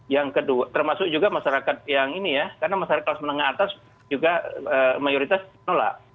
yang kedua termasuk juga masyarakat yang ini ya karena masyarakat kelas menengah atas juga mayoritas menolak